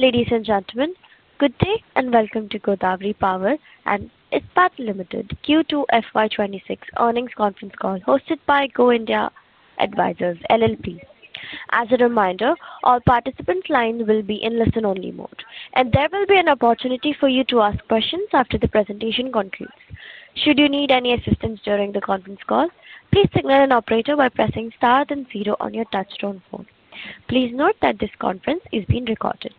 Ladies and gentlemen, good day and welcome to Godawari Power & Ispat Limited Q2 FY2026 earnings conference call hosted by Go India Advisors LLP. As a reminder, all participants' lines will be in listen-only mode, and there will be an opportunity for you to ask questions after the presentation concludes. Should you need any assistance during the conference call, please signal an operator by pressing star then zero on your touchstone phone. Please note that this conference is being recorded.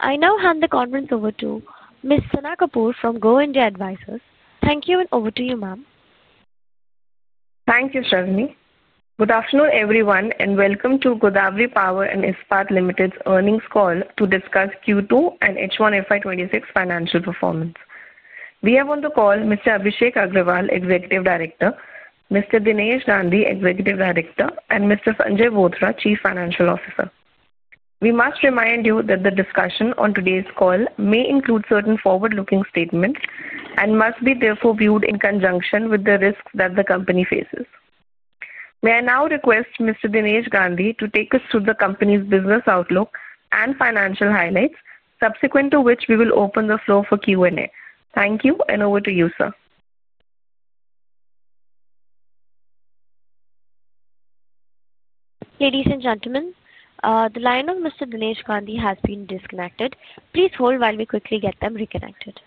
I now hand the conference over to Ms. Sana Kapoor from Go India Advisors. Thank you, and over to you, ma'am. Thank you, Shalimi. Good afternoon, everyone, and welcome to Godawari Power & Ispat Limited's earnings call to discuss Q2 and H1 FY2026 financial performance. We have on the call Mr. Abhishek Agrawal, Executive Director; Mr. Dinesh Gandhi, Executive Director; and Mr. Sanjay Bothra, Chief Financial Officer. We must remind you that the discussion on today's call may include certain forward-looking statements and must be therefore viewed in conjunction with the risks that the company faces. May I now request Mr. Dinesh Gandhi to take us through the company's business outlook and financial highlights, subsequent to which we will open the floor for Q&A. Thank you, and over to you, sir. Ladies and gentlemen, the line of Mr. Dinesh Gandhi has been disconnected. Please hold while we quickly get them reconnected.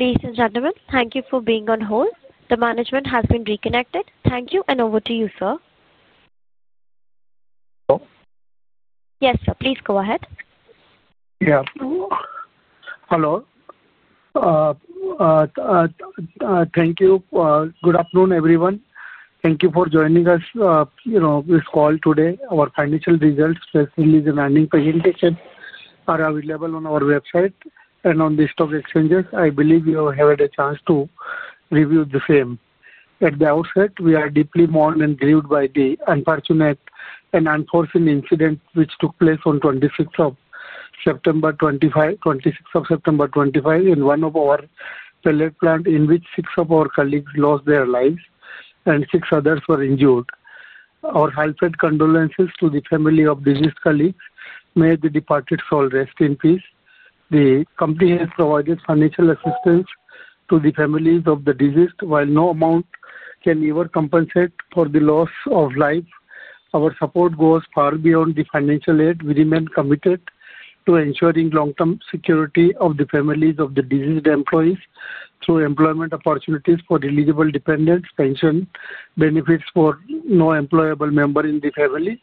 Ladies and gentlemen, thank you for being on hold. The management has been reconnected. Thank you, and over to you, sir. Hello? Yes, sir, please go ahead. Yeah. Hello. Thank you. Good afternoon, everyone. Thank you for joining us. This call today, our financial results, especially the earnings presentation, are available on our website and on the stock exchanges. I believe you have had a chance to review the same. At the outset, we are deeply moved and grieved by the unfortunate and unforeseen incident which took place on 26th of September, 2025, in one of our pellet plants, in which six of our colleagues lost their lives and six others were injured. Our heartfelt condolences to the family of deceased colleagues. May the departed soul rest in peace. The company has provided financial assistance to the families of the deceased. While no amount can ever compensate for the loss of life, our support goes far beyond the financial aid. We remain committed to ensuring long-term security of the families of the deceased employees through employment opportunities for eligible dependents, pension benefits for no employable member in the family,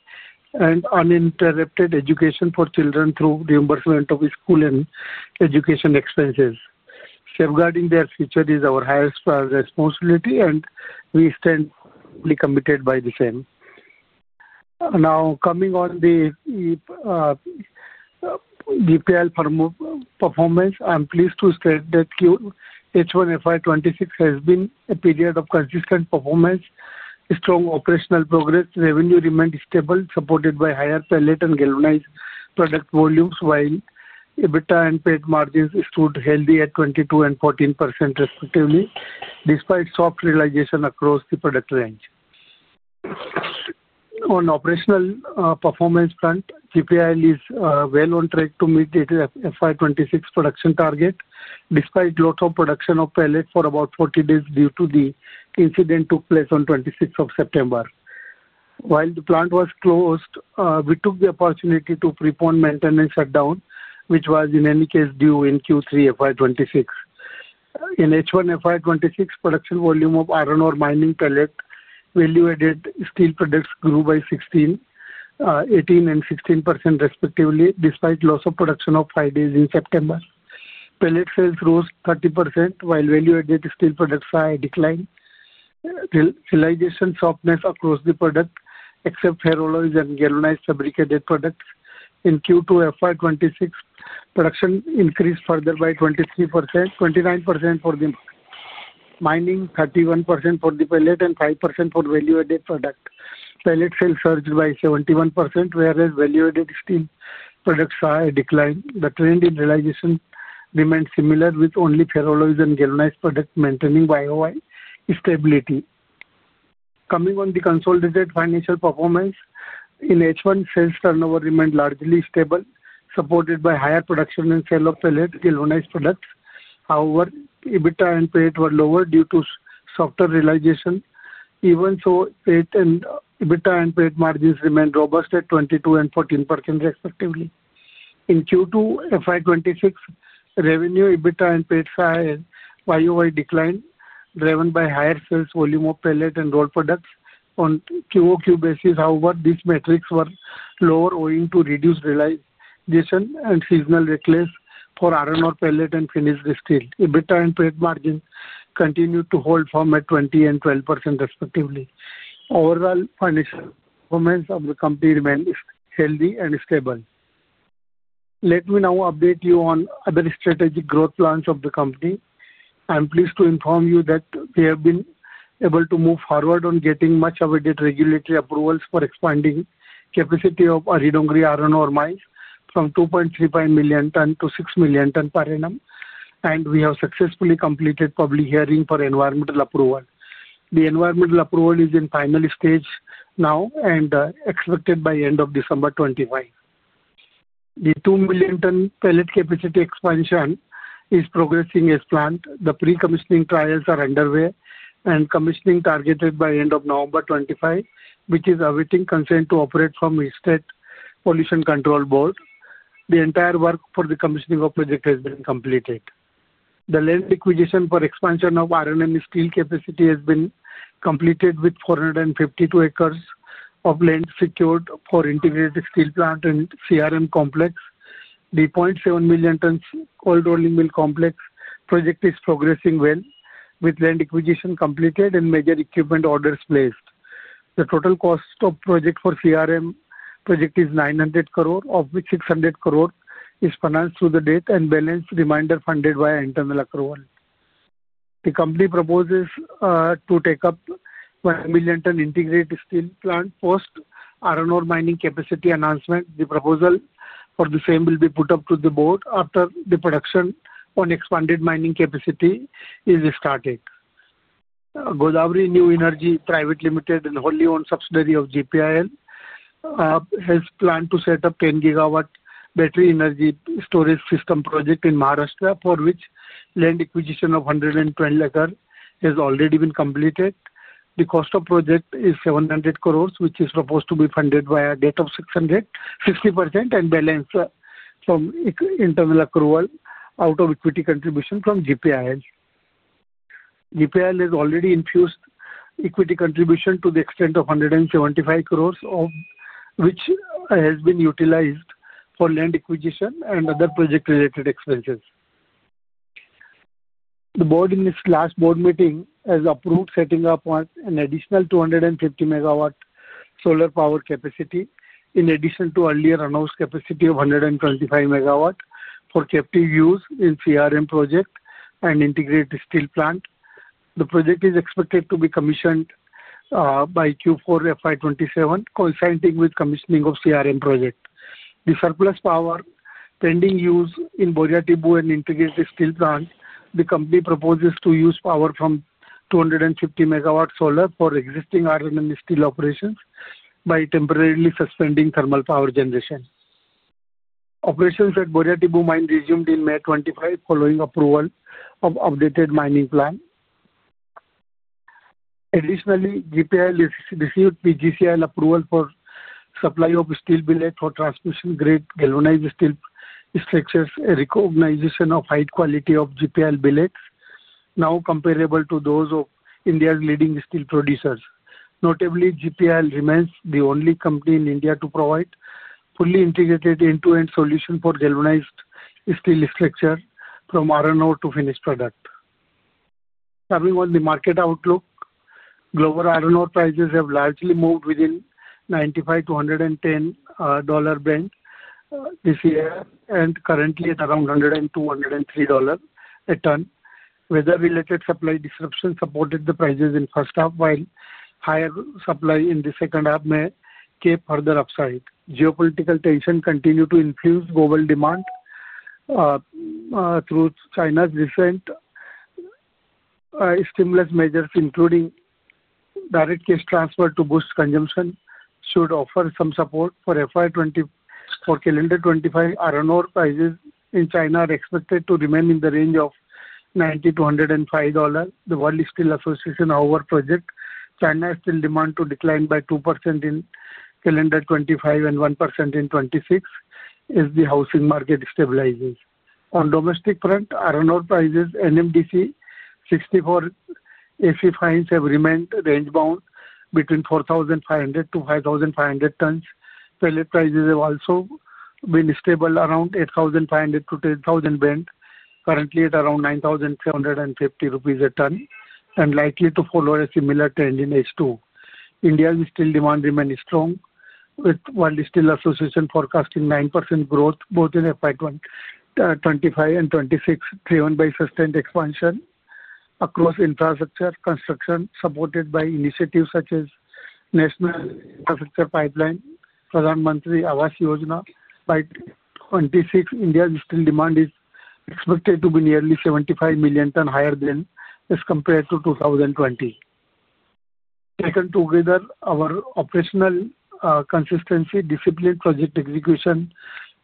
and uninterrupted education for children through reimbursement of school and education expenses. Safeguarding their future is our highest responsibility, and we stand firmly committed by the same. Now, coming on the GPIL performance, I'm pleased to state that Q2 H1 FY2026 has been a period of consistent performance, strong operational progress, revenue remained stable, supported by higher pellet and galvanized product volumes, while EBITDA and PAT margins stood healthy at 22% and 14% respectively, despite soft realization across the product range. On operational performance front, GPIL is well on track to meet its FY2026 production target, despite loss of production of pellets for about 40 days due to the incident that took place on 26th of September. While the plant was closed, we took the opportunity to prepone maintenance shutdown, which was in any case due in Q3 FY2026. In H1 FY2026, production volume of iron ore mining, pellet, value-added steel products grew by 18% and 16% respectively, despite loss of production of five days in September. Pellet sales rose 30%, while value-added steel products saw a decline. Realization softness across the product, except ferro alloys and galvanized fabricated products. In Q2 FY2026, production increased further by 29% for the mining, 31% for the pellet, and 5% for value-added product. Pellet sales surged by 71%, whereas value-added steel products saw a decline. The trend in realization remained similar, with only ferro alloys and galvanized products maintaining year-on-year stability. Coming on the consolidated financial performance, in H1, sales turnover remained largely stable, supported by higher production and sale of pellets, galvanized products. However, EBITDA and PAT were lower due to softer realization. Even so, EBITDA and PAT margins remained robust at 22% and 14% respectively. In Q2 FY2026, revenue, EBITDA, and PAT saw a year-on-year decline, driven by higher sales volume of pellets and roll products on quarter-on-quarter basis. However, these metrics were lower, owing to reduced realization and seasonal recess for iron ore pellet and finished steel. EBITDA and PAT margins continued to hold firm at 20% and 12% respectively. Overall, financial performance of the company remained healthy and stable. Let me now update you on other strategic growth plans of the company. I'm pleased to inform you that we have been able to move forward on getting much-awaited regulatory approvals for expanding capacity of Ari Dongri iron ore mines from 2.35 million tons to six million tons per annum, and we have successfully completed public hearing for environmental approval. The environmental approval is in final stage now and expected by the end of December 2025. The two million-ton pellet capacity expansion is progressing as planned. The pre-commissioning trials are underway and commissioning targeted by the end of November 2025, which is awaiting consent to operate from State Pollution Control Board. The entire work for the commissioning of project has been completed. The land acquisition for expansion of iron and steel capacity has been completed, with 452 acres of land secured for integrated steel plant and CRM complex. The 0.7 million tons cold rolling mill complex project is progressing well, with land acquisition completed and major equipment orders placed. The total cost of project for CRM project is 900 crore, of which 600 crore is financed to the date and balance remainder funded by internal approval. The company proposes to take up one million-ton integrated steel plant post iron ore mining capacity announcement. The proposal for the same will be put up to the board after the production on expanded mining capacity is started. Godawari New Energy Private Limited, a wholly owned subsidiary of GPIL, has planned to set up 10 gigawatt battery energy storage system project in Maharashtra, for which land acquisition of 120 acres has already been completed. The cost of project is 700 crore, which is supposed to be funded by a debt of 600 crore, 60%, and balance from internal accrual out of equity contribution from GPIL. GPIL has already infused equity contribution to the extent of 175 crore, which has been utilized for land acquisition and other project-related expenses. The board in its last board meeting has approved setting up an additional 250 megawatt solar power capacity, in addition to earlier announced capacity of 125 megawatt for captive use in CRM project and integrated steel plant. The project is expected to be commissioned by Q4 FY2027, coinciding with commissioning of CRM project. The surplus power pending use in Boriatibu and integrated steel plant, the company proposes to use power from 250 megawatt solar for existing iron and steel operations by temporarily suspending thermal power generation. Operations at Boriatibu mine resumed in May 2025 following approval of updated mining plan. Additionally, GPIL has received PGCIL approval for supply of steel billet for transmission-grade galvanized steel structures, recognition of high quality of GPIL billets, now comparable to those of India's leading steel producers. Notably, GPIL remains the only company in India to provide fully integrated end-to-end solution for galvanized steel structure from iron ore to finished product. Coming on the market outlook, global iron ore prices have largely moved within the $95-$110 band this year and currently at around $102-$103 a ton. Weather-related supply disruption supported the prices in the first half, while higher supply in the second half may curb further upside. Geopolitical tensions continue to influence global demand through China's recent stimulus measures, including direct cash transfer to boost consumption, which should offer some support for calendar 2025. Iron ore prices in China are expected to remain in the range of $90-$105. The World Steel Association's hour project, China's steel demand to decline by 2% in calendar 2025 and 1% in 2026, as the housing market stabilizes. On the domestic front, iron ore prices, NMDC 64 AC fines have remained range-bound between 4,500-5,500 per ton. Pellet prices have also been stable around the 8,500-10,000 band, currently at around 9,750 rupees a ton and likely to follow a similar trend in H2. India's steel demand remains strong, with World Steel Association forecasting 9% growth both in FY 2025 and 2026, driven by sustained expansion across infrastructure construction, supported by initiatives such as National Infrastructure Pipeline, Pradhan Mantri Awash Yojana. By 2026, India's steel demand is expected to be nearly 75 million tons higher than as compared to 2020. Taken together, our operational consistency, discipline, project execution,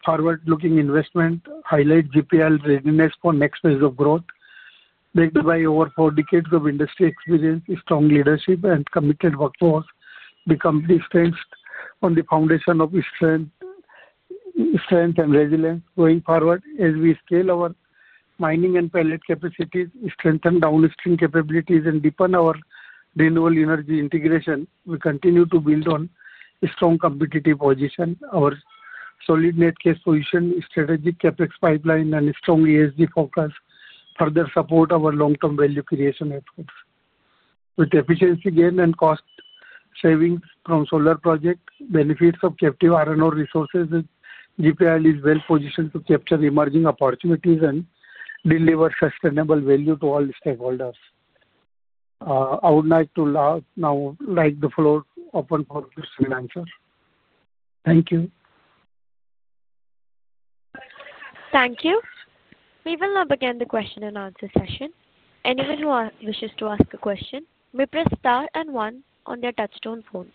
forward-looking investment highlight GPIL's readiness for next phase of growth. Backed by over four decades of industry experience, strong leadership, and committed workforce, the company stands on the foundation of strength and resilience. Going forward, as we scale our mining and pellet capacities, strengthen downstream capabilities, and deepen our renewable energy integration, we continue to build on a strong competitive position. Our solid net cash position, strategic CapEx pipeline, and strong ESG focus further support our long-term value creation efforts. With efficiency gain and cost savings from solar projects, benefits of captive iron ore resources, GPIL is well positioned to capture emerging opportunities and deliver sustainable value to all stakeholders. I would now like the floor open for questions and answers. Thank you. Thank you. We will now begin the question and answer session. Anyone who wishes to ask a question may press star and one on their touchstone phone.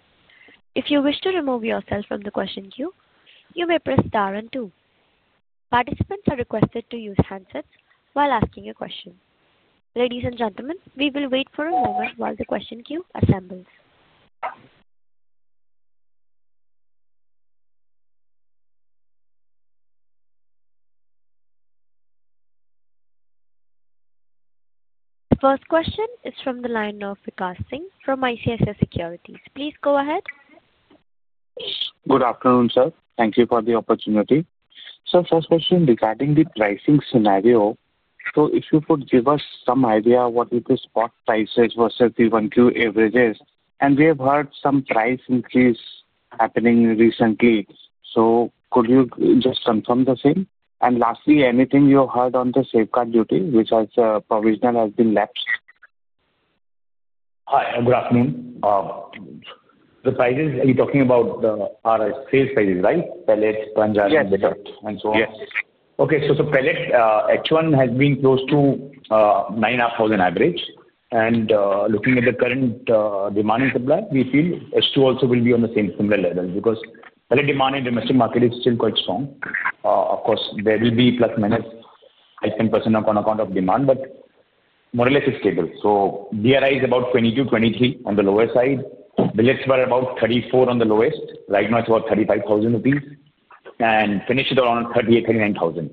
If you wish to remove yourself from the question queue, you may press star and two. Participants are requested to use handsets while asking a question. Ladies and gentlemen, we will wait for a moment while the question queue assembles. The first question is from the line of Prakash Singh from ICICI Securities. Please go ahead. Good afternoon, sir. Thank you for the opportunity. Sir, first question regarding the pricing scenario. If you could give us some idea what the spot prices versus the one-view averages are. We have heard some price increase happening recently. Could you just confirm the same? Lastly, anything you heard on the safeguard duty, which has provisional has been lapsed? Hi, good afternoon. The prices, are you talking about the sales prices, right? Pellets, banjaris, and so on? Yes. Okay. So pellet H1 has been close to 9,500 average. And looking at the current demand and supply, we feel H2 also will be on the same similar level because pellet demand in the domestic market is still quite strong. Of course, there will be plus-minus 10% on account of demand, but more or less it's stable. So DRI is about 22,000-23,000 on the lower side. Billets were about 34,000 on the lowest. Right now, it's about 35,000 rupees and finished around 38,000-39,000.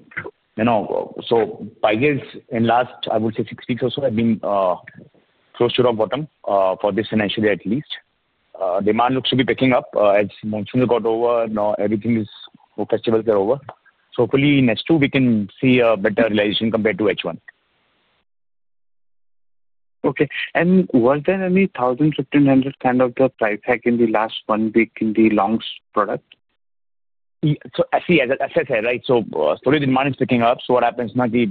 So prices in the last, I would say, six weeks or so have been close to rock bottom for this financial year at least. Demand looks to be picking up as monsoon has got over. Now everything is festivals are over. Hopefully next two weeks we can see a better realization compared to H1. Okay. Was there any 1,500 kind of the price hike in the last one week in the long product? As I said, right, storage demand is picking up. What happens now is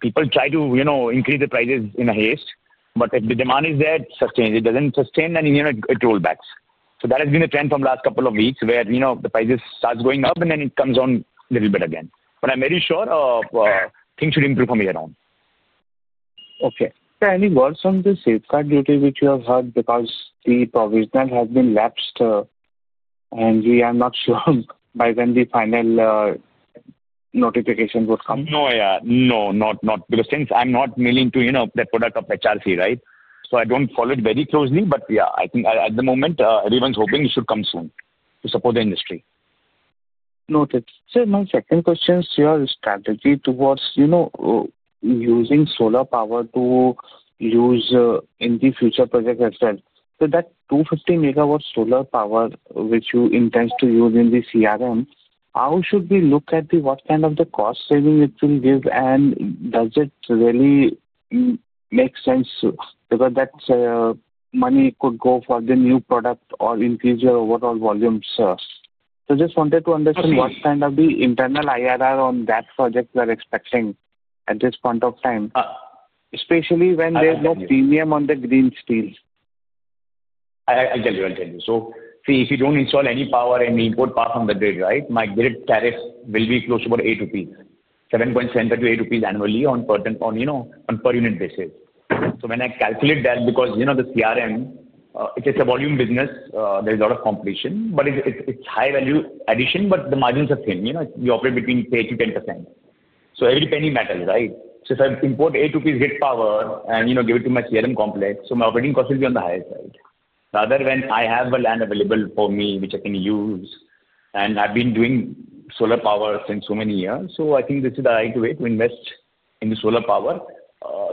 people try to increase the prices in a haste. If the demand is there, it sustains. If it does not sustain, it rollbacks. That has been the trend from the last couple of weeks where the prices start going up and then it comes down a little bit again. I'm very sure things should improve from here on. Okay. Any words on the safeguard duty which you have heard because the provisional has been lapsed and we are not sure by when the final notification would come? No, yeah. No, not because since I'm not mailing to that product of HRC, right? So I don't follow it very closely, but yeah, I think at the moment everyone's hoping it should come soon to support the industry. Noted. My second question is your strategy towards using solar power to use in the future project as well. That 250 MW solar power which you intend to use in the CRM, how should we look at what kind of cost saving it will give and does it really make sense because that money could go for the new product or increase your overall volume, sir? I just wanted to understand what kind of the internal IRR on that project we are expecting at this point of time, especially when there is no premium on the green steel. I'll tell you. I'll tell you. See, if you don't install any power and we import parts from the grid, right, my grid tariff will be close to about 8 rupees, 7.75-8 rupees annually on per unit basis. When I calculate that, because the CRM, it's a volume business, there's a lot of competition, but it's high value addition, but the margins are thin. You operate between 8%-10%. Every penny matters, right? If I import INR eight grid power and give it to my CRM complex, my operating cost will be on the higher side. Rather than I have a land available for me which I can use and I've been doing solar power since so many years, I think this is the right way to invest in the solar power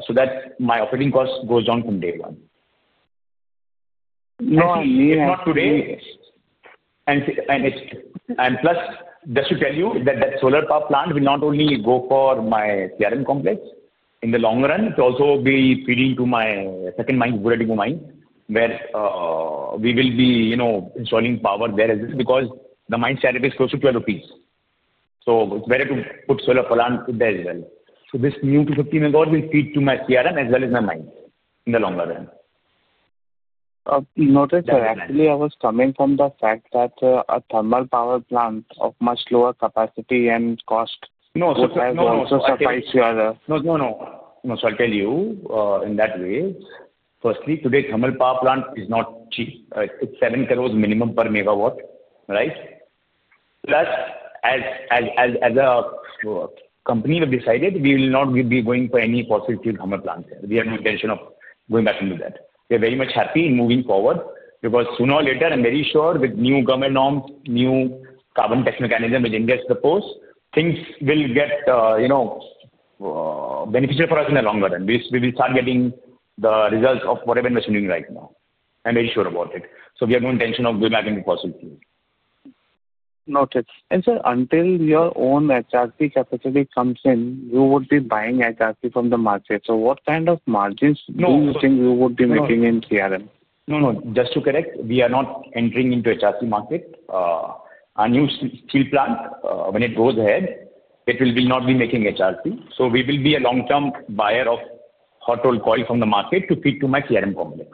so that my operating cost goes down from day one. Not today. Just to tell you that that solar power plant will not only go for my CRM complex in the long run, it will also be feeding to my second mine Boriatibu mine where we will be installing power there as well because the mine share rate is close to 12 rupees. So it is better to put solar plant there as well. This new 250 MW will feed to my CRM as well as my mine in the longer run. Noted, sir. Actually, I was coming from the fact that a thermal power plant of much lower capacity and cost would also suffice your. No, no, no. No, so I'll tell you in that way. Firstly, today thermal power plant is not cheap. It's 70,000,000 minimum per megawatt, right? Plus, as a company we've decided, we will not be going for any fossil fuel thermal plants. We have no intention of going back into that. We are very much happy in moving forward because sooner or later, I'm very sure with new government norms, new carbon tax mechanism which India has proposed, things will get beneficial for us in the long run. We will start getting the results of whatever investment we're doing right now. I'm very sure about it. We have no intention of going back into fossil fuel. Noted. Sir, until your own HRC capacity comes in, you would be buying HRC from the market. What kind of margins do you think you would be making in CRM? No, no. Just to correct, we are not entering into HRC market. Our new steel plant, when it goes ahead, it will not be making HRC. So we will be a long-term buyer of hot rolled coil from the market to feed to my CRM complex.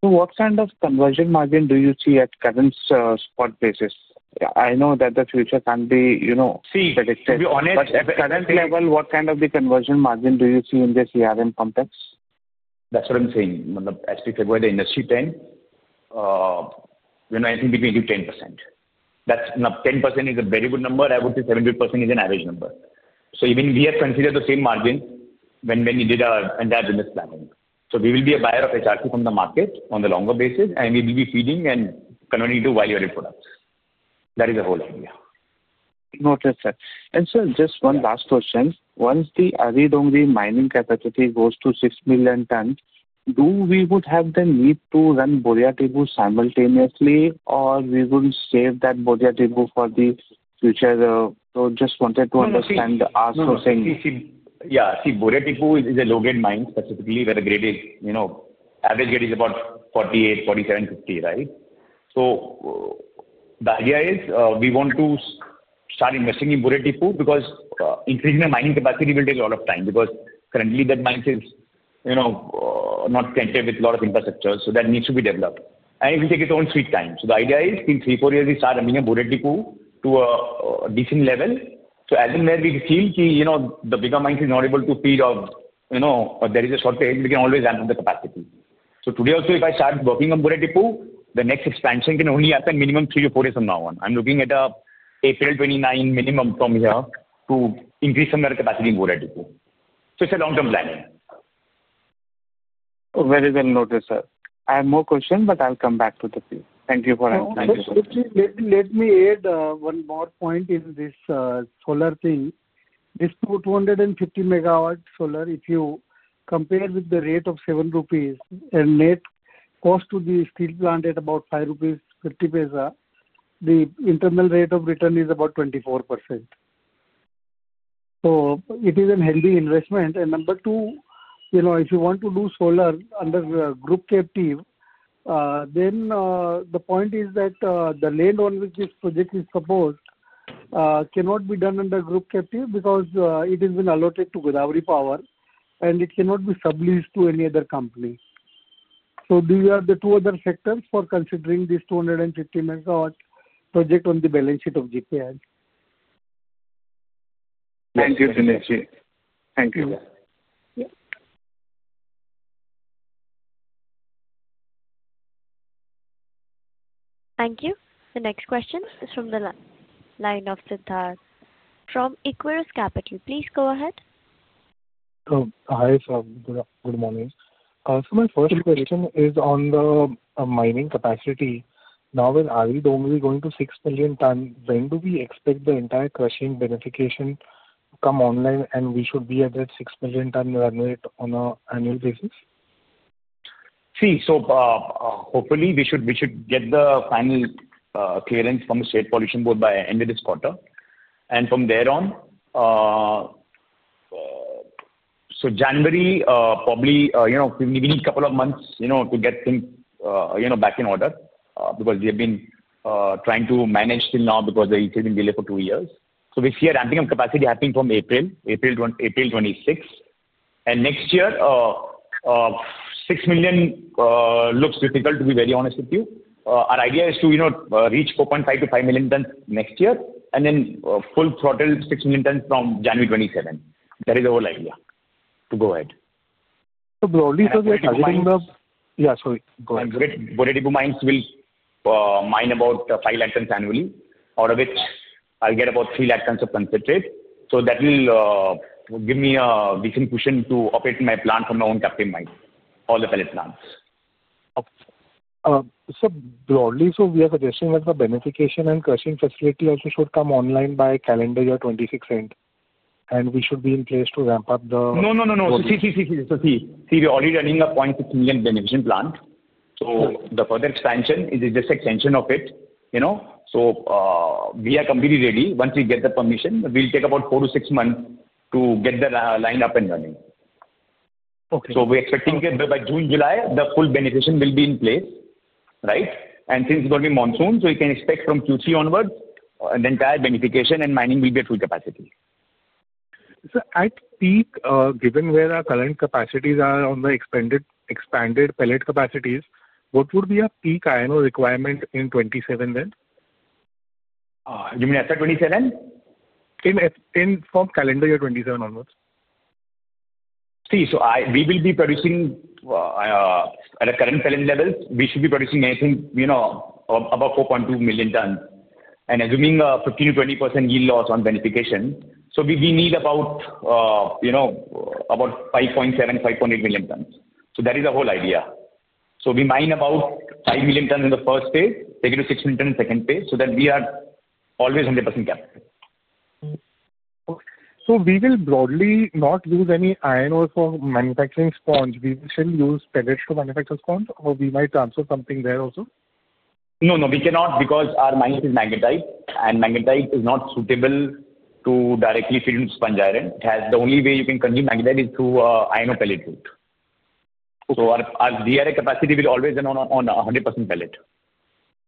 What kind of conversion margin do you see at current spot basis? I know that the future can be predictive. See, to be honest. At current level, what kind of the conversion margin do you see in the CRM complex? That's what I'm saying. As we said, where the industry tends, we're not entering between 10%. Now, 10% is a very good number. I would say 7% is an average number. So even we have considered the same margin when we did our pandemic planning. We will be a buyer of HRC from the market on the longer basis, and we will be feeding and converting to value-added products. That is the whole idea. Noted, sir. Sir, just one last question. Once the Ari Dongri mining capacity goes to six million tons, do we would have the need to run Boriatibu simultaneously, or we will save that Boriatibu for the future? Just wanted to understand, ask or say. Yeah. See, Boriatibu is a low-grade mine specifically where the grade is average grade is about 48, 47, 50, right? The idea is we want to start investing in Boriatibu because increasing the mining capacity will take a lot of time because currently that mine is not tentative with a lot of infrastructure. That needs to be developed. It will take its own sweet time. The idea is in three, four years, we start running Boriatibu to a decent level. As in where we feel the bigger mines are not able to feed or there is a shortage, we can always amp up the capacity. Today also, if I start working on Boriatibu, the next expansion can only happen minimum three or four years from now on. I'm looking at an April 29 minimum from here to increase some of the capacity in Boriatibu. It is a long-term planning. Very well noted, sir. I have more questions, but I'll come back to the field. Thank you for answering. Let me add one more point in this solar thing. This 250 megawatt solar, if you compare with the rate of 7 rupees and net cost to the steel plant at about 5.50 rupees, the internal rate of return is about 24%. It is a healthy investment. Number two, if you want to do solar under group captive, then the point is that the land on which this project is proposed cannot be done under group captive because it has been allotted to Godawari Power & Ispat Limited, and it cannot be subleased to any other company. These are the two other factors for considering this 250 megawatt project on the balance sheet of GPIL. Thank you, Srinivasi. Thank you. Thank you. The next question is from the line of Siddharth from Equirus Capital. Please go ahead. Hi, sir. Good morning. My first question is on the mining capacity. Now, when Ari Dongri is going to six million tons, when do we expect the entire crushing verification to come online, and we should be at that six million ton run rate on an annual basis? See, hopefully we should get the final clearance from the State Pollution Board by end of this quarter. From there on, January, probably we need a couple of months to get things back in order because we have been trying to manage till now because the heat has been delayed for two years. We see a ramping of capacity happening from April, April 2026. Next year, six million looks difficult to be very honest with you. Our idea is to reach 4.5-5 million tons next year and then full throttle six million tons from January 2027. That is our idea to go ahead. Broadly, we are targeting the. Yeah, sorry. Go ahead. Boriatibu mines will mine about 500,000 tons annually, out of which I'll get about 300,000 tons of concentrate. That will give me a decent cushion to operate my plant from my own captive mine, all the pellet plants. Okay. So broadly, we are suggesting that the beneficiation and crushing facility also should come online by calendar year 2026 end. And we should be in place to ramp up the. No, no, no. See, we're already running a 0.6 million benefication plant. The further expansion is just an extension of it. We are completely ready. Once we get the permission, we'll take about four to six months to get the line up and running. We're expecting by June or July, the full benefication will be in place, right? Since it's going to be monsoon, we can expect from Q3 onwards, the entire benefication and mining will be at full capacity. At peak, given where our current capacities are on the expanded pellet capacities, what would be a peak iron ore requirement in 2027 then? You mean after 2027? From calendar year 2027 onwards. See, we will be producing at the current pellet level, we should be producing I think about 4.2 million tons. Assuming 15%-20% yield loss on beneficiation, we need about 5.7-5.8 million tons. That is the whole idea. We mine about five million tons in the first phase, take it to six million tons in the second phase so that we are always 100% captive. We will broadly not use any iron ore for manufacturing sponge. We will still use pellets to manufacture sponge, or we might answer something there also? No, no, we cannot because our mine is magnetite, and magnetite is not suitable to directly feed into sponge iron. The only way you can consume magnetite is through iron ore pellet route. So our DRI capacity will always run on 100% pellet.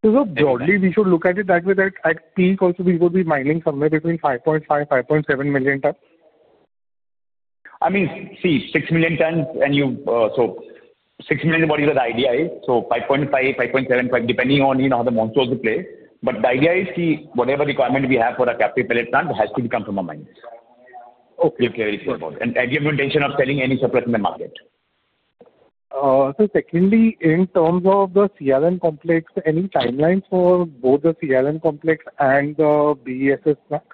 Broadly, we should look at it that way that at peak also we will be mining somewhere between 5.5-5.7 million tons? I mean, see, six million tons, and six million is what is the idea. 5.5, 5.7, 5, depending on how the monsoons will play. The idea is whatever requirement we have for a captive pellet plant, it has to come from our mines. We'll clear it forward. We have no intention of selling any surplus in the market. Secondly, in terms of the CRM complex, any timeline for both the CRM complex and the BESS stack?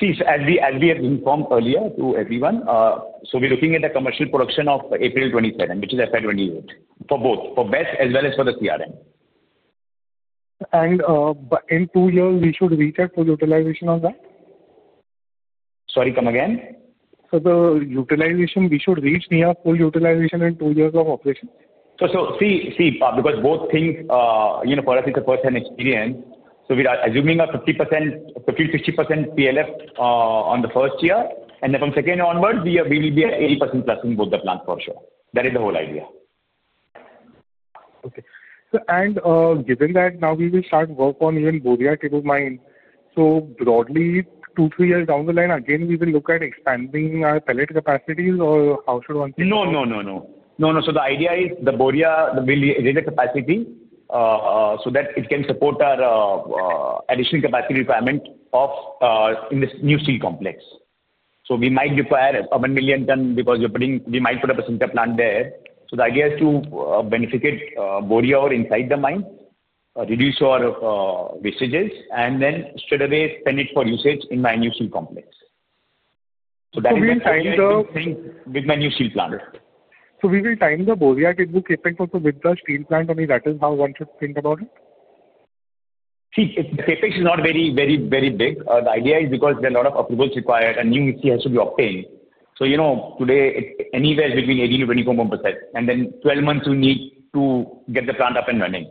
See, as we have informed earlier to everyone, we're looking at the commercial production of April 27, which is FY 2028, for both, for BESS as well as for the CRM. In two years, we should reach at full utilization of that? Sorry, come again? The utilization, we should reach near full utilization in two years of operation? See, because both things, for us, it's a first-hand experience. We are assuming a 50%-60% PLF in the first year. From the second year onwards, we will be at 80% plus in both the plants for sure. That is the whole idea. Okay. Given that, now we will start work on even Boriatibu mine. Broadly, two, three years down the line, again, we will look at expanding our pellet capacities or how should one think? No, no. The idea is the Boriatibu will raise the capacity so that it can support our additional capacity requirement in this new steel complex. We might require one million ton because we might put up a center plant there. The idea is to beneficate Boriatibu inside the mine, reduce our wastages, and then straight away spend it for usage in my new steel complex. That is the idea with my new steel plant. We will time the Boriatibu capex also with the steel plant only. That is how one should think about it? See, the capex is not very, very, very big. The idea is because there are a lot of approvals required, a new EC has to be obtained. So today, anywhere between 18-24%. And then 12 months, we need to get the plant up and running.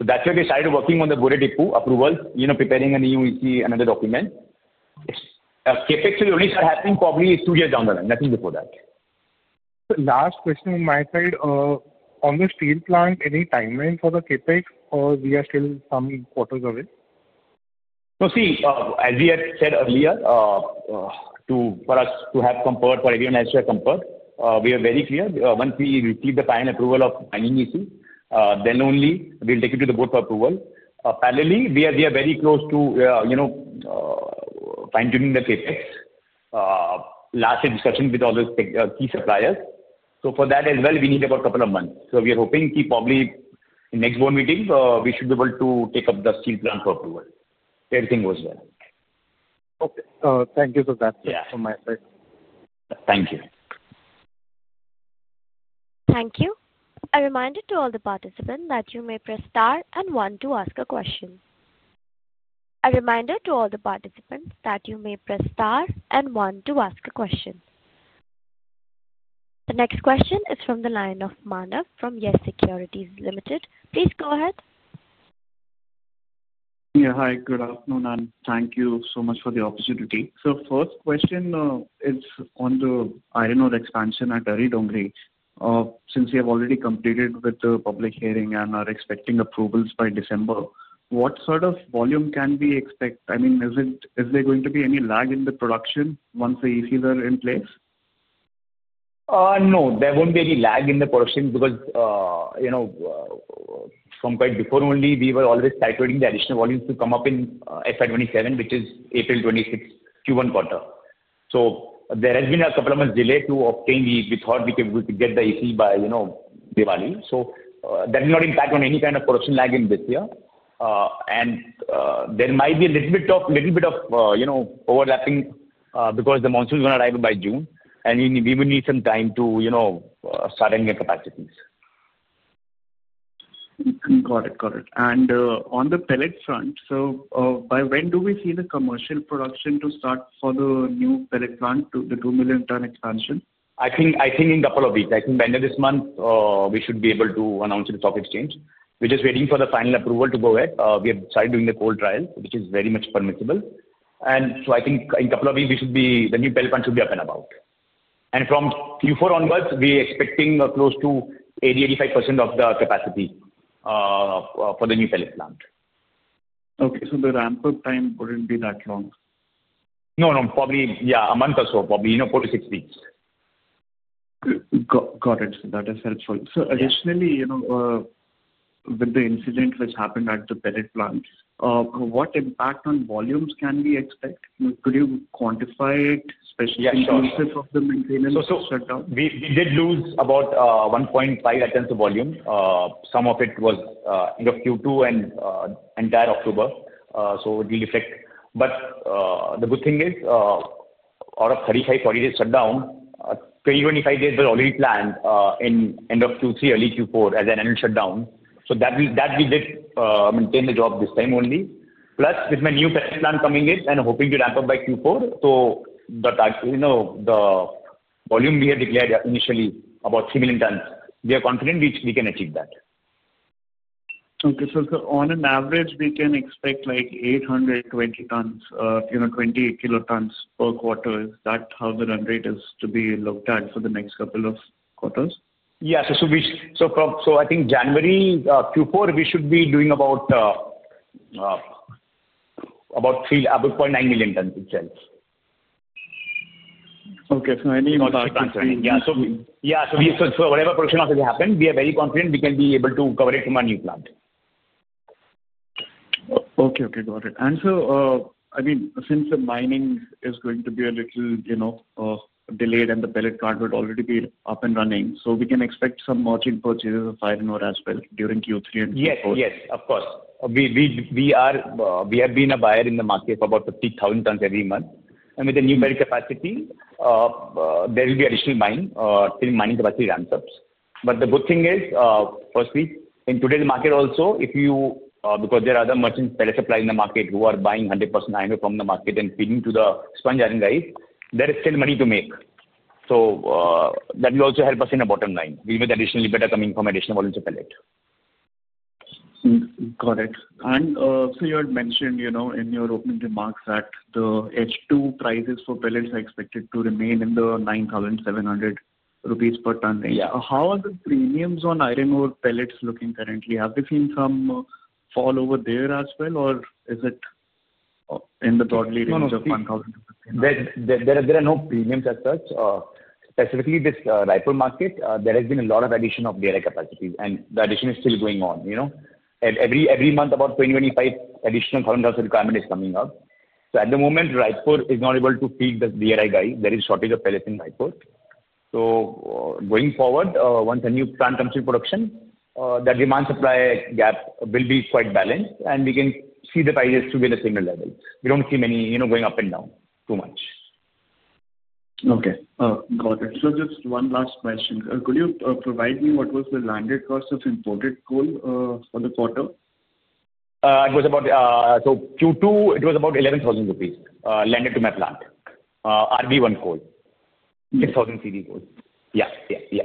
That's why we started working on the Boriatibu approvals, preparing a new EC, another document. Capex will only start happening probably two years down the line, nothing before that. Last question on my side. On the steel plant, any timeline for the CapEx or we are still some quarters away? As we had said earlier, for us to have comfort, for everyone else to have comfort, we are very clear. Once we receive the final approval of mining EC, then only we'll take it to the board for approval. Parallelly, we are very close to fine-tuning the CapEx, last discussion with all the key suppliers. For that as well, we need about a couple of months. We are hoping probably in next board meeting, we should be able to take up the steel plant for approval. Everything goes well. Okay. Thank you for that from my side. Thank you. Thank you. A reminder to all the participants that you may press star and one to ask a question. The next question is from the line of Manav from Yes Securities Limited. Please go ahead. Yeah. Hi. Good afternoon, and thank you so much for the opportunity. First question is on the iron ore expansion at Ari Dongri. Since we have already completed with the public hearing and are expecting approvals by December, what sort of volume can we expect? I mean, is there going to be any lag in the production once the ECs are in place? No. There won't be any lag in the production because from quite before only, we were always titrating the additional volumes to come up in FY 2027, which is April 2026, Q1 quarter. There has been a couple of months' delay to obtain. We thought we could get the EC by Diwali. That will not impact on any kind of production lag in this year. There might be a little bit of overlapping because the monsoon is going to arrive by June, and we will need some time to start having the capacities. Got it. Got it. On the pellet front, by when do we see the commercial production to start for the new pellet plant, the two million ton expansion? I think in a couple of weeks. I think by end of this month, we should be able to announce it at stock exchange. We are just waiting for the final approval to go ahead. We have started doing the cold trial, which is very much permissible. I think in a couple of weeks, the new pellet plant should be up and about. From Q4 onwards, we are expecting close to 80%-85% of the capacity for the new pellet plant. Okay. So the ramp-up time wouldn't be that long? No, no. Probably, yeah, a month or so, probably four to six weeks. Got it. That is helpful. Additionally, with the incident which happened at the pellet plants, what impact on volumes can we expect? Could you quantify it, especially in terms of the maintenance shutdown? We did lose about 150,000 tons of volume. Some of it was end of Q2 and entire October. It will reflect. The good thing is, out of 35-40 days shutdown, 20-25 days were already planned in end of Q3, early Q4 as an annual shutdown. That will maintain the job this time only. Plus, with my new pellet plant coming in and hoping to ramp up by Q4, the volume we had declared initially about three million tons, we are confident we can achieve that. Okay. So on an average, we can expect like 820 tons, 20 kilotons per quarter. Is that how the run rate is to be looked at for the next couple of quarters? Yeah. I think January, Q4, we should be doing about three, about 0.9 million tons in sales. Okay. So any margin time? Yeah. So whatever production happens, we are very confident we can be able to cover it from our new plant. Okay. Okay. Got it. I mean, since the mining is going to be a little delayed and the pellet cart would already be up and running, we can expect some merchant purchases of iron ore as well during Q3 and Q4? Yes. Yes. Of course. We have been a buyer in the market for about 50,000 tons every month. With the new pellet capacity, there will be additional mining capacity ramp-ups. The good thing is, firstly, in today's market also, because there are other merchants, pellet suppliers in the market who are buying 100% iron ore from the market and feeding to the sponge iron guys, there is still money to make. That will also help us in the bottom line, with additional better coming from additional volumes of pellet. Got it. You had mentioned in your opening remarks that the H2 prices for pellets are expected to remain in the 9,700 rupees per ton. How are the premiums on iron ore pellets looking currently? Have we seen some fall over there as well, or is it in the broadly range of 1,000-15? There are no premiums as such. Specifically, this Raipur market, there has been a lot of addition of DRI capacities, and the addition is still going on. Every month, about 20,000-25,000 additional tons requirement is coming up. At the moment, Raipur is not able to feed the DRI guy. There is a shortage of pellets in Raipur. Going forward, once a new plant comes to production, that demand-supply gap will be quite balanced, and we can see the prices to be at a similar level. We do not see many going up and down too much. Okay. Got it. Just one last question. Could you provide me what was the landed cost of imported coal for the quarter? It was about. Q2, it was about 11,000 rupees landed to my plant, RB1 coal, 6,000 CV coal. Yeah. Yeah. Yeah.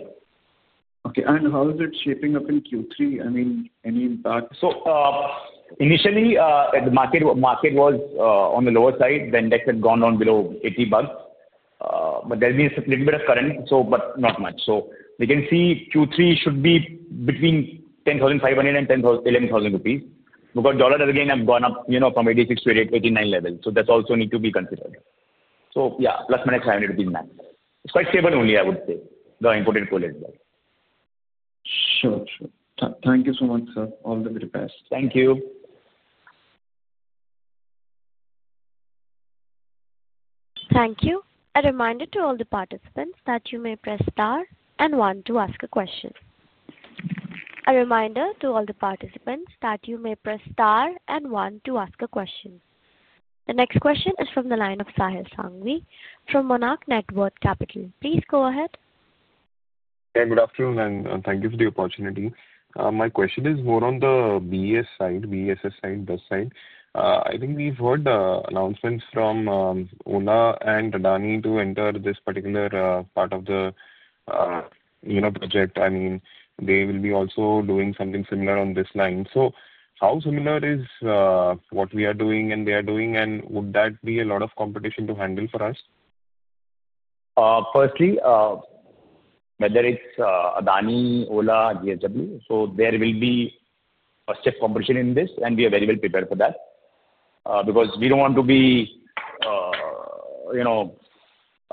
Okay. How is it shaping up in Q3? I mean, any impact? Initially, the market was on the lower side. The index had gone down below INR 80. There has been a little bit of current, but not much. We can see Q3 should be between 10,500-11,000 rupees because the dollar has again gone up from 86 to 89 level. That also needs to be considered. Plus or minus 500 rupees max. It is quite stable only, I would say, the imported coal as well. Sure. Sure. Thank you so much, sir. All the very best. Thank you. Thank you. A reminder to all the participants that you may press star and one to ask a question. The next question is from the line of Sahil Sangvi from Monarch Networth Capital. Please go ahead. Yeah. Good afternoon, and thank you for the opportunity. My question is more on the BESS side. I think we've heard announcements from Ola and Adani to enter this particular part of the project. I mean, they will be also doing something similar on this line. How similar is what we are doing and they are doing, and would that be a lot of competition to handle for us? Firstly, whether it's Adani, Ola, DSW, there will be a stiff competition in this, and we are very well prepared for that because we don't want to be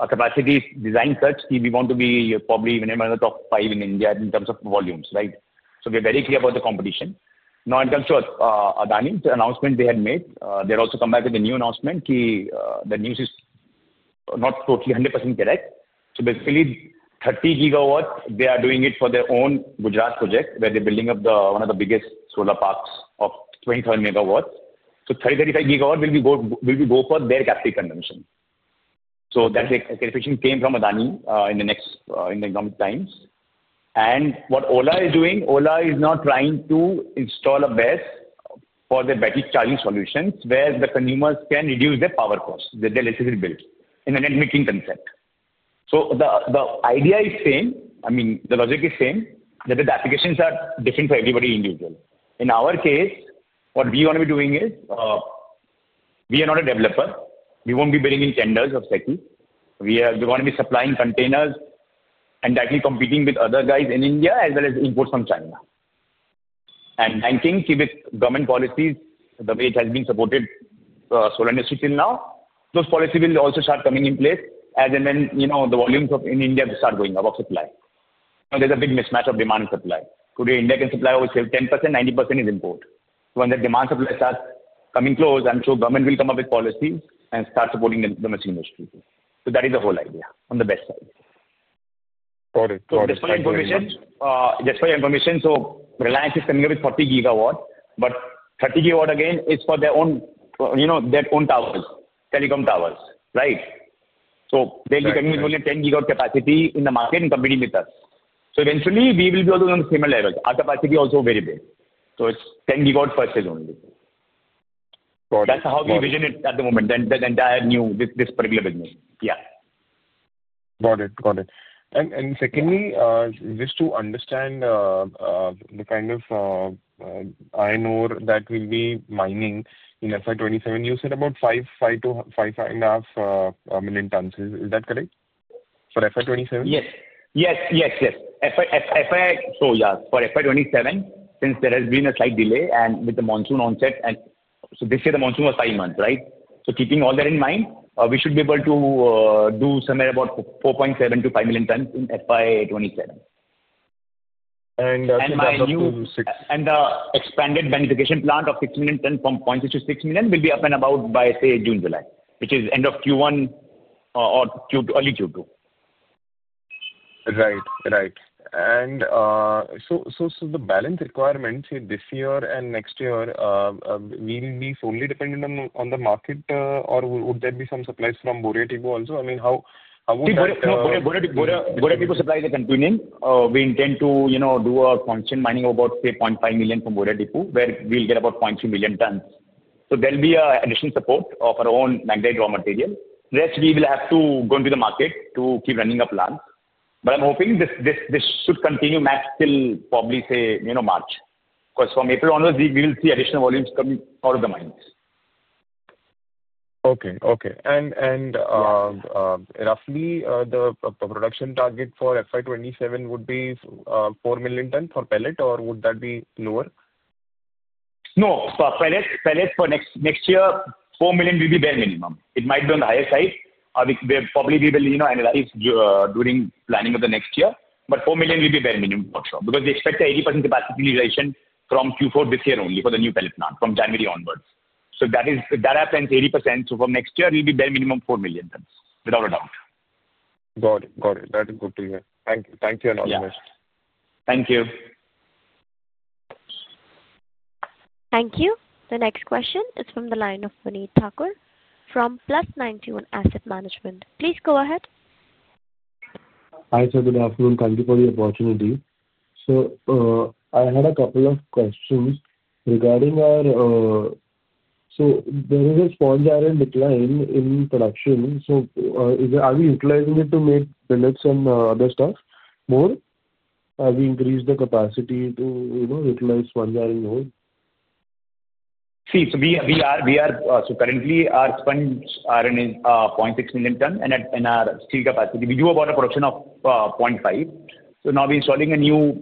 a capacity design such that we want to be probably one of the top five in India in terms of volumes, right? We are very clear about the competition. Now, in terms of Adani, the announcement they had made, they also come back with a new announcement. The news is not totally 100% correct. Basically, 30 gigawatts, they are doing it for their own Gujarat project where they're building up one of the biggest solar parks of 25 megawatts. So 30-35 gigawatts will go for their captive convention. That's a calculation that came from Adani in the next Economic Times. What Ola is doing, Ola is now trying to install a BESS for their battery charging solutions where the consumers can reduce their power cost, their electricity bill, in an admitting concept. The idea is same. I mean, the logic is same that the applications are different for everybody individually. In our case, what we want to be doing is we are not a developer. We won't be bidding in tenders or SECIs. We are going to be supplying containers and directly competing with other guys in India as well as imports from China. Thanking with government policies, the way it has been supported solar industry till now, those policies will also start coming in place as and when the volumes in India start going up of supply. There's a big mismatch of demand and supply. Today, India can supply always 10%, 90% is import. When the demand supply starts coming close, I'm sure government will come up with policies and start supporting the machine industry. That is the whole idea on the BESS side. Got it. Got it. Just for your information, Reliance is coming up with 40 gigawatts, but 30 gigawatts again is for their own towers, telecom towers, right? They will be coming with only 10 gigawatt capacity in the market and competing with us. Eventually, we will be also on the similar level. Our capacity is also very big. It is 10 gigawatts first only. Got it. That's how we vision it at the moment, this particular business. Yeah. Got it. Got it. And secondly, just to understand the kind of iron ore that will be mining in FY 2027, you said about 5-5.5 million tons. Is that correct? For FY 2027? Yes. Yes. Yes. So yeah, for FY 2027, since there has been a slight delay and with the monsoon onset, and so this year, the monsoon was five months, right? So keeping all that in mind, we should be able to do somewhere about 4.7-5 million tons in FY 2027. The new. The expanded beneficiation plant of six million tons from 0.6 to six million will be up and about by, say, June, July, which is end of Q1 or early Q2. Right. Right. And the balance requirements this year and next year, will we be fully dependent on the market, or would there be some supplies from Boriatibu also? I mean, how would that? Boriatibu supplies are continuing. We intend to do a function mining of about 3.5 million from Boriatibu, where we'll get about 0.3 million tons. There'll be additional support of our own magnetic raw material. Rest, we will have to go into the market to keep running a plant. I'm hoping this should continue max till probably, say, March. From April onwards, we will see additional volumes coming out of the mines. Okay. Okay. And roughly, the production target for FY 2027 would be four million tons for pellet, or would that be lower? No. So pellet for next year, four million will be bare minimum. It might be on the higher side. We'll probably be able to analyze during planning of the next year. But four million will be bare minimum for sure because we expect 80% capacity utilization from Q4 this year only for the new pellet plant from January onwards. If that happens, 80% from next year will be bare minimum four million tons without a doubt. Got it. Got it. That is good to hear. Thank you. Thank you and all the best. Thank you. Thank you. The next question is from the line of Vaneet Thakur from Plus 91 Asset Management. Please go ahead. Hi, sir. Good afternoon. Thank you for the opportunity. I had a couple of questions regarding our, so there is a sponge iron decline in production. Are we utilizing it to make pellets and other stuff more? Have we increased the capacity to utilize sponge iron more? See, so currently, our sponge iron is 0.6 million ton, and in our steel capacity, we do about a production of 0.5. Now we're installing a new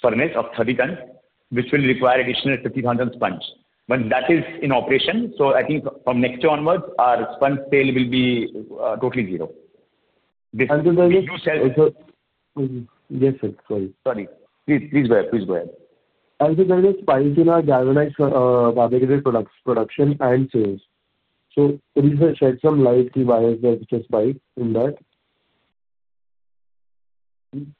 furnace of 30 tons, which will require additional 50,000 sponge. When that is in operation, I think from next year onwards, our sponge sale will be totally zero. Yes, sir. Sorry. Sorry. Please go ahead. Please go ahead. There is a spike in our galvanized fabricated products production and sales. Could you shed some light on why there is such a spike in that?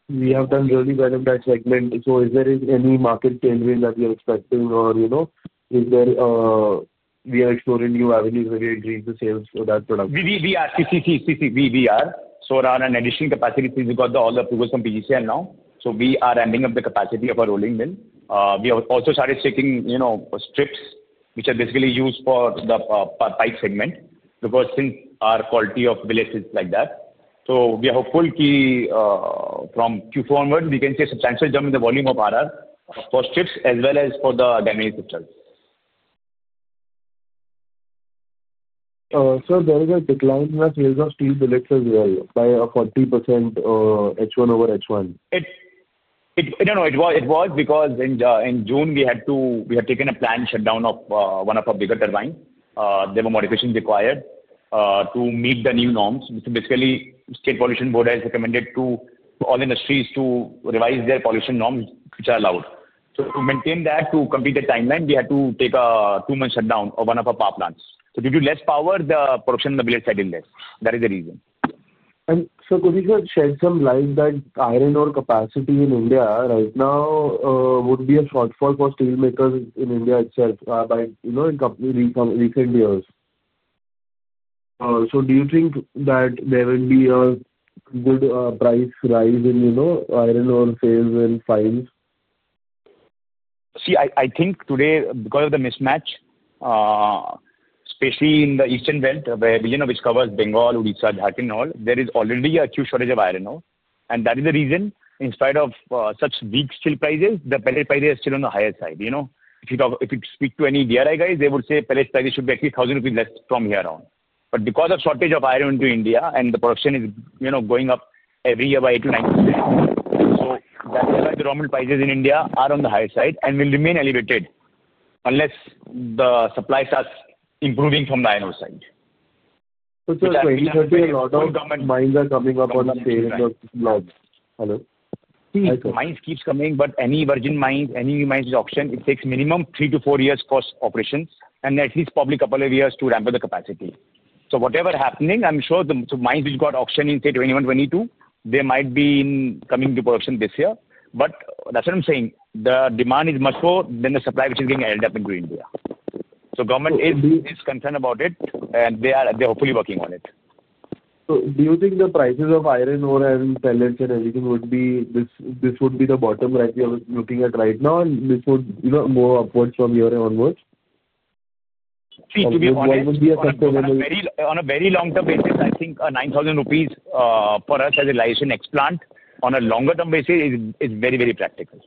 We have done really well in that segment. Is there any market tailwind that we are expecting, or are we exploring new avenues where we increase the sales for that product? We are. So on an additional capacity, since we got all the approvals from PGCIL now, we are ramping up the capacity of our rolling mill. We have also started sticking strips, which are basically used for the pipe segment because since our quality of billet is like that. We are hopeful from Q4 onward, we can see a substantial jump in the volume of RR for strips as well as for the galvanized strips. Sir, there is a decline in the sales of steel billets as well by 40% H1 over H1. It was because in June, we had taken a planned shutdown of one of our bigger turbines. There were modifications required to meet the new norms. Basically, State Pollution Board has recommended to all industries to revise their pollution norms, which are allowed. To maintain that, to complete the timeline, we had to take a two-month shutdown of one of our power plants. To do less power, the production of the billet side is less. That is the reason. Sir, could you shed some light that iron ore capacity in India right now would be a shortfall for steelmakers in India itself in recent years? Do you think that there will be a good price rise in iron ore sales and fines? See, I think today, because of the mismatch, especially in the Eastern Belt, which covers Bengal, Odisha, Jharkhand, all, there is already a huge shortage of iron ore. That is the reason in spite of such weak steel prices, the pellet prices are still on the higher side. If you speak to any DRI guys, they would say pellet prices should be at least 1,000 rupees less from here on. Because of shortage of iron in India and the production is going up every year by 8%-9%, that's why the raw metal prices in India are on the higher side and will remain elevated unless the supply starts improving from the iron ore side. Sir, we heard a lot of government mines are coming up on sales of blocks. Hello. Mines keep coming, but any virgin mines, any new mines with auction, it takes minimum three to four years to start operations, and at least probably a couple of years to ramp up the capacity. Whatever is happening, I'm sure the mines which got auctioned in, say, 2021, 2022, they might be coming into production this year. That's what I'm saying. The demand is much more than the supply which is being held up in India. The government is concerned about it, and they are hopefully working on it. Do you think the prices of iron ore and pellets and everything would be, this would be the bottom right we are looking at right now, and this would go upwards from here onwards? See, to be honest, on a very long-term basis, I think 9,000 rupees for us as a relation X plant on a longer-term basis is very, very practical.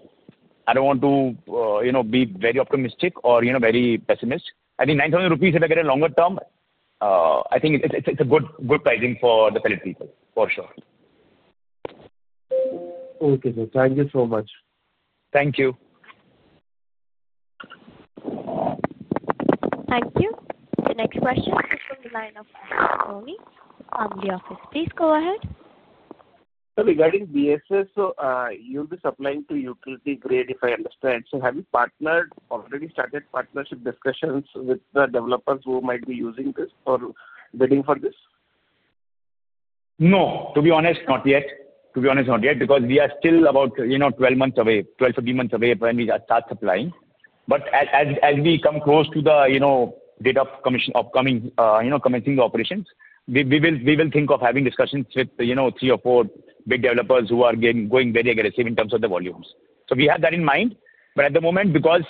I do not want to be very optimistic or very pessimist. I think 9,000 rupees if I get a longer term, I think it is a good pricing for the pellet people, for sure. Okay, sir. Thank you so much. Thank you. Thank you. The next question is from the line of Family Office. Please go ahead. Regarding BESS, you'll be supplying to utility grade, if I understand. Have you partnered, already started partnership discussions with the developers who might be using this or bidding for this? No. To be honest, not yet. To be honest, not yet because we are still about 12 months away, 12 to 3 months away when we start supplying. As we come close to the date of commencing the operations, we will think of having discussions with three or four big developers who are going very aggressive in terms of the volumes. We have that in mind. At the moment, because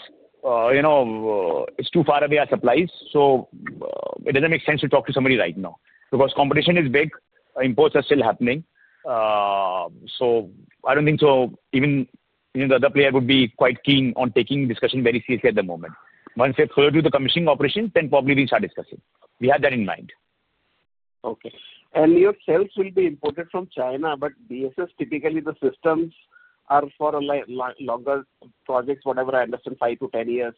it is too far away, our supplies, it does not make sense to talk to somebody right now because competition is big. Imports are still happening. I do not think so even the other player would be quite keen on taking discussion very seriously at the moment. Once we have furthered the commissioning operations, then probably we start discussing. We have that in mind. Okay. Your cells will be imported from China, but BESS, typically, the systems are for longer projects, whatever I understand, 5-10 years.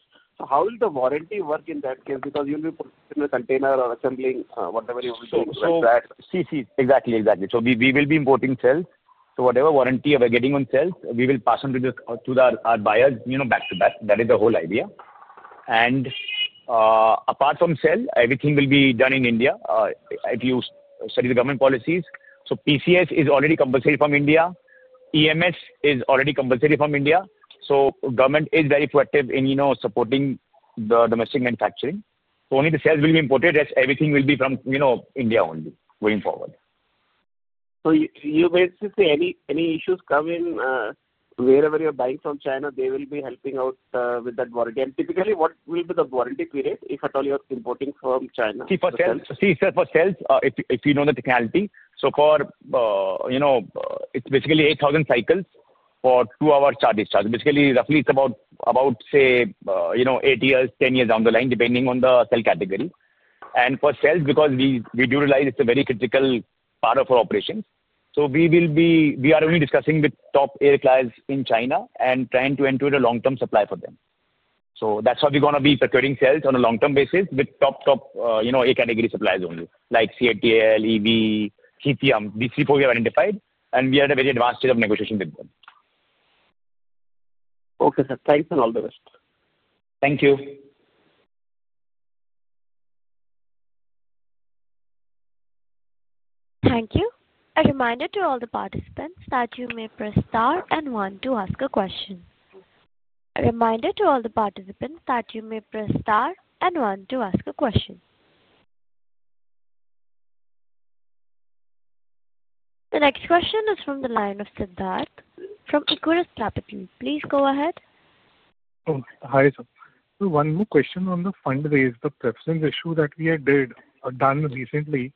How will the warranty work in that case? Because you'll be putting in a container or assembling whatever you will do with that. Exactly. Exactly. We will be importing cells. Whatever warranty we're getting on cells, we will pass on to our buyers back to back. That is the whole idea. Apart from cells, everything will be done in India if you study the government policies. PCS is already compensated from India. EMS is already compensated from India. Government is very proactive in supporting the domestic manufacturing. Only the cells will be imported. Everything will be from India only going forward. You basically say any issues come in wherever you're buying from China, they will be helping out with that warranty. Typically, what will be the warranty period if at all you're importing from China? See, for cells, if you know the technology, for it's basically 8,000 cycles for two-hour charge discharge. Basically, roughly, it's about, say, eight years, 10 years down the line, depending on the cell category. For cells, because we do realize it's a very critical part of our operations, we are only discussing with top A category clients in China and trying to enter a long-term supply for them. That's how we're going to be procuring cells on a long-term basis with top, top A category suppliers only, like CATL, EV, Lithium. These three we have identified, and we are at a very advanced stage of negotiation with them. Okay, sir. Thanks and all the best. Thank you. Thank you. A reminder to all the participants that you may press star and one to ask a question. The next question is from the line of Siddharth from Equirus Capital. Please go ahead. Hi, sir. One more question on the fundraiser, the preference issue that we had done recently.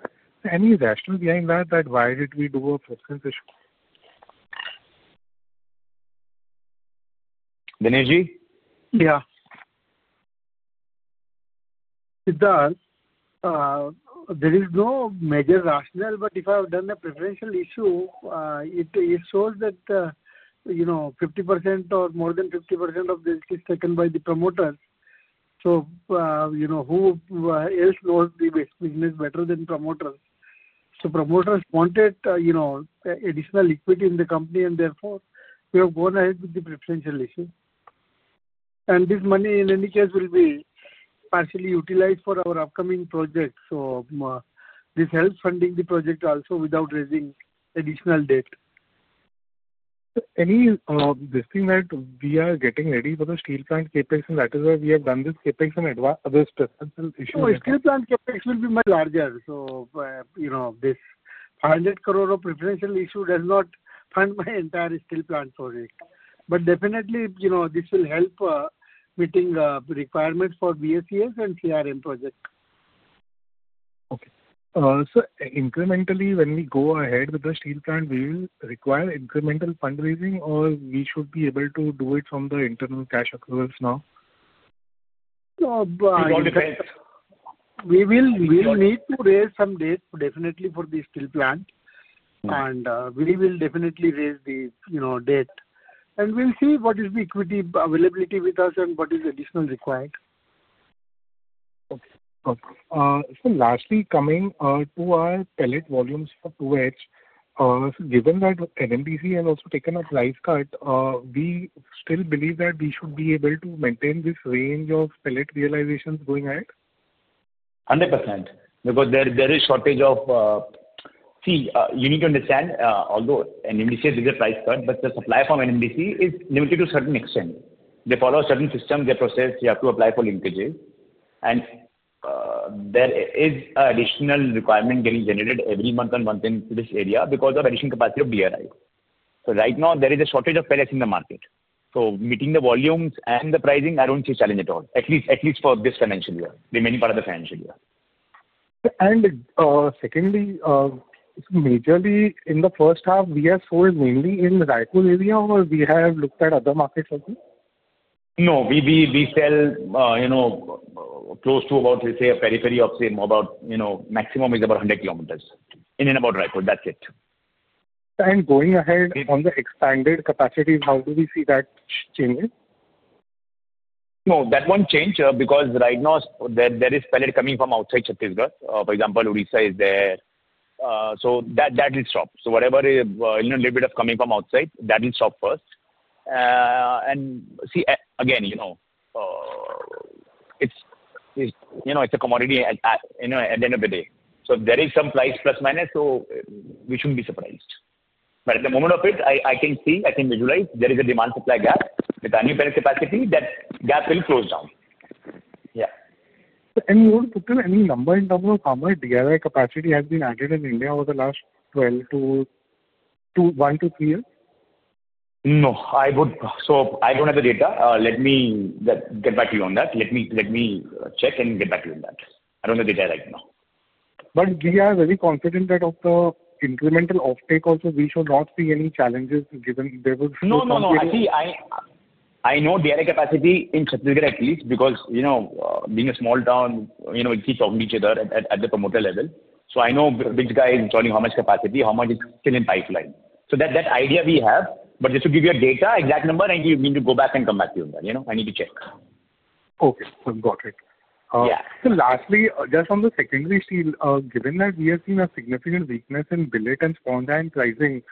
Any rationale behind that? Why did we do a preference issue? Dinesh ji? Yeah. Siddharth, there is no major rationale, but if I have done a preferential issue, it shows that 50% or more than 50% of this is taken by the promoters. Who else knows the business better than promoters? Promoters wanted additional equity in the company, and therefore, we have gone ahead with the preferential issue. This money, in any case, will be partially utilized for our upcoming project. This helps funding the project also without raising additional debt. Any of this thing that we are getting ready for the steel plant CapEx, and that is why we have done this CapEx and other special issues? No, steel plant CapEx will be much larger. This 100 crore of preferential issue does not fund my entire steel plant project. Definitely, this will help meeting requirements for BESS and CRM projects. Okay. So incrementally, when we go ahead with the steel plant, will we require incremental fundraising, or we should be able to do it from the internal cash approvals now? It all depends. We will need to raise some debt, definitely, for the steel plant. We will definitely raise the debt. We will see what is the equity availability with us and what is additional required. Okay. So lastly, coming to our pellet volumes for 2H, given that NMDC has also taken a price cut, we still believe that we should be able to maintain this range of pellet realizations going ahead? 100%. Because there is shortage of, see, you need to understand, although NMDC has a price cut, but the supply from NMDC is limited to a certain extent. They follow a certain system, their process. You have to apply for linkages. And there is an additional requirement getting generated every month and month into this area because of additional capacity of DRI. Right now, there is a shortage of pellets in the market. Meeting the volumes and the pricing, I do not see a challenge at all, at least for this financial year, remaining part of the financial year. Secondly, majorly, in the first half, we have sold mainly in the Raipur area, or we have looked at other markets also? No. We sell close to about, let's say, a periphery of about maximum is about 100 km in and about Raipur. That's it. Going ahead on the expanded capacity, how do we see that changing? No, that won't change because right now, there is pellet coming from outside Chhattisgarh. For example, Odisha is there. That will stop. Whatever is a little bit of coming from outside, that will stop first. See, again, it's a commodity at the end of the day. There is some price plus-minus, so we shouldn't be surprised. At the moment of it, I can see, I can visualize there is a demand-supply gap. With any pellet capacity, that gap will close down. Yeah. Would you put in any number in terms of how much DRI capacity has been added in India over the last 12 to one to three years? No. I don't have the data. Let me get back to you on that. Let me check and get back to you on that. I don't have the data right now. We are very confident that of the incremental offtake also, we should not see any challenges given there was a huge volume here. No, no, no. See, I know DRI capacity in Chhattisgarh at least because being a small town, we keep talking to each other at the promoter level. I know which guy is installing how much capacity, how much is still in pipeline. That idea we have. Just to give you a data, exact number, I need to go back and come back to you on that. I need to check. Okay. I've got it. Lastly, just on the secondary steel, given that we have seen a significant weakness in billet and sponge iron pricing,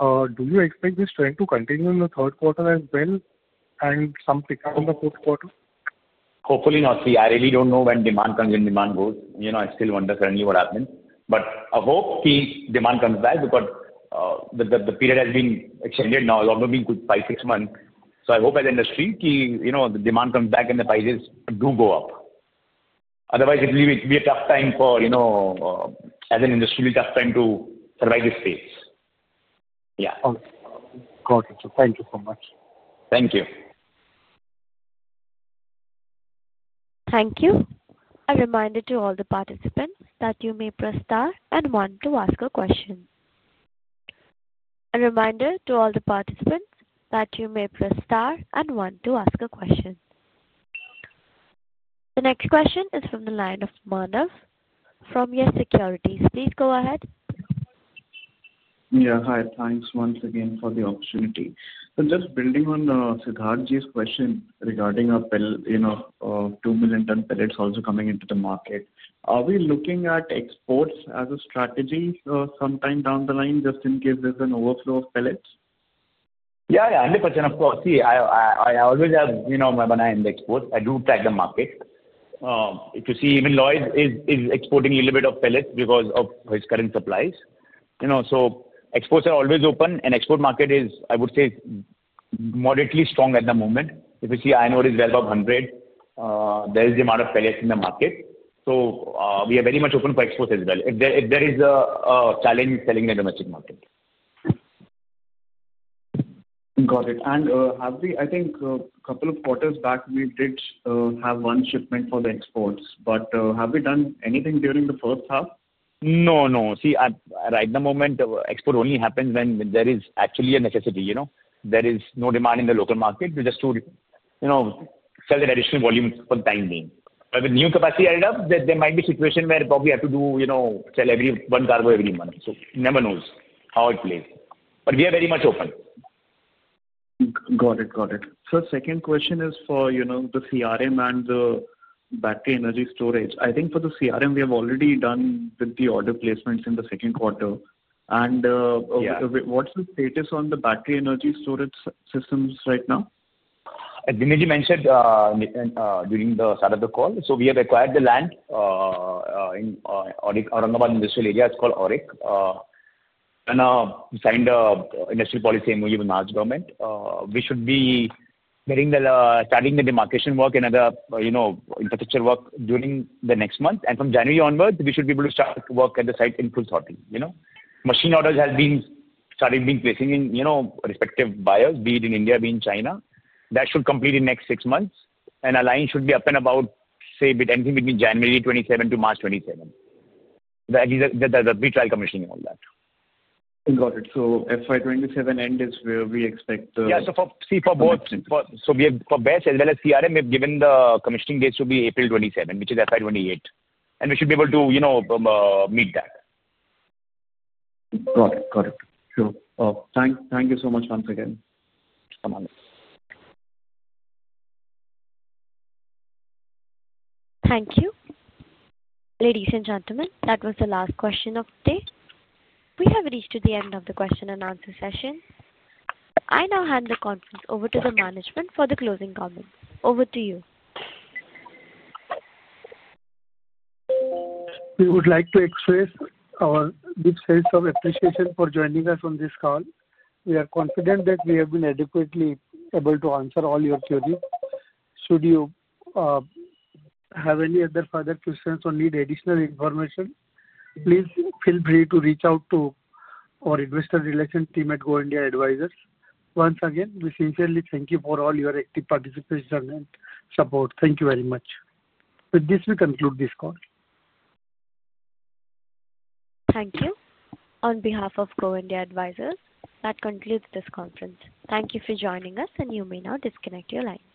do you expect this trend to continue in the third quarter as well and some pick in the fourth quarter? Hopefully not. See, I really don't know when demand comes and demand goes. I still wonder currently what happens. I hope the demand comes back because the period has been extended. Now, it's almost been five, six months. I hope as an industry, the demand comes back and the prices do go up. Otherwise, it will be a tough time for, as an industry, it will be a tough time to survive this phase. Yeah. Okay. Got it. Thank you so much. Thank you. Thank you. A reminder to all the participants that you may press star and one to ask a question. The next question is from the line of Manav from Yes Securities. Please go ahead. Yeah. Hi. Thanks once again for the opportunity. Just building on Siddharth ji's question regarding our two million-ton pellets also coming into the market, are we looking at exports as a strategy sometime down the line just in case there's an overflow of pellets? Yeah, yeah. 100%, of course. See, I always have my mind on exports. I do tag the market. You see, even Lloyd's is exporting a little bit of pellets because of his current supplies. Exports are always open, and the export market is, I would say, moderately strong at the moment. If you see, I know it is well above 100. There is the amount of pellets in the market. We are very much open for exports as well if there is a challenge selling in the domestic market. Got it. I think a couple of quarters back, we did have one shipment for the exports. Have we done anything during the first half? No, no. See, right at the moment, export only happens when there is actually a necessity. There is no demand in the local market to just sell that additional volume for the time being. With new capacity added up, there might be a situation where we have to sell every one cargo every month. No one knows how it plays. We are very much open. Got it. Got it. The second question is for the CRM and the battery energy storage. I think for the CRM, we have already done the order placements in the second quarter. What's the status on the battery energy storage systems right now? Dinesh ji mentioned during the start of the call. We have acquired the land in Aurangabad industrial area. It is called Auric. We signed an industrial policy MOU with the Maharashtra government. We should be starting the demarcation work and other infrastructure work during the next month. From January onwards, we should be able to start work at the site in full sorting. Machine orders have been started being placed in respective buyers, being in India, being China. That should complete in the next six months. The line should be up and about, say, anything between January 2027 to March 2027. That is the pre-trial commissioning and all that. Got it. FY 2027 end is where we expect the. Yeah. See, for both, for BESS as well as CRM, we've given the commissioning date to be April 27, which is FY 2028. We should be able to meet that. Got it. Got it. Sure. Thank you so much once again. Thank you. Thank you. Ladies and gentlemen, that was the last question of the day. We have reached the end of the question and answer session. I now hand the conference over to the management for the closing comments. Over to you. We would like to express our deep sense of appreciation for joining us on this call. We are confident that we have been adequately able to answer all your queries. Should you have any other further questions or need additional information, please feel free to reach out to our investor relations team at Go India Advisors. Once again, we sincerely thank you for all your active participation and support. Thank you very much. With this, we conclude this call. Thank you. On behalf of Go India Advisors, that concludes this conference. Thank you for joining us, and you may now disconnect your line.